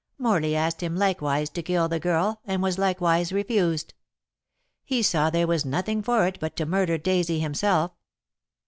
Morley asked him likewise to kill the girl, and was likewise refused. He saw there was nothing for it but to murder Daisy himself.